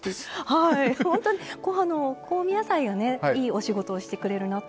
ほんとに香味野菜がいいお仕事をしてくれるなと。